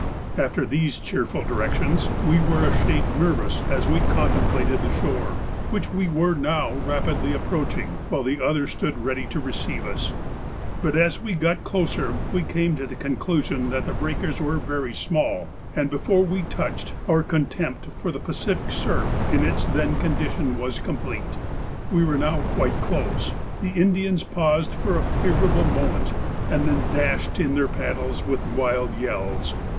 After these cheerful directions we were a shade nervous as we contemplated the shore, which we were now rapidly approaching, while the others stood ready to receive us, but as we got closer we came to the conclusion that the breakers were very small, and before we touched our contempt for the Pacific surf in its then condition was complete. We were now quite close; the Indians paused for a favourable moment, and then dashed in their paddles with wild yells.